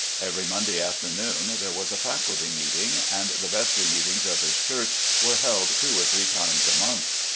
Every Monday afternoon there was a faculty meeting, and the vestiy meetings of his church were held two or three times a month.